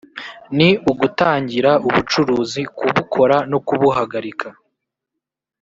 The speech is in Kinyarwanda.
ni ugutangira ubucuruzi kubukora no kubuhagarika